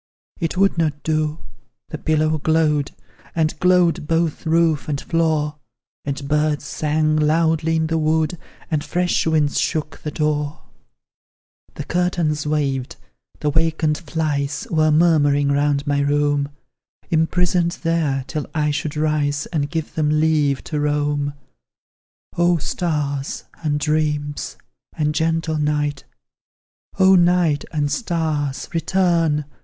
It would not do the pillow glowed, And glowed both roof and floor; And birds sang loudly in the wood, And fresh winds shook the door; The curtains waved, the wakened flies Were murmuring round my room, Imprisoned there, till I should rise, And give them leave to roam. Oh, stars, and dreams, and gentle night; Oh, night and stars, return!